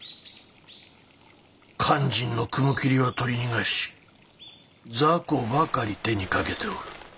肝心の雲霧は取り逃がし雑魚ばかり手にかけておる。